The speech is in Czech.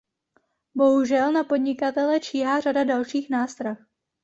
Bohužel na podnikatele číhá řada dalších nástrah.